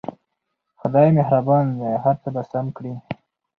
خدای مهربان دی هر څه به سم کړي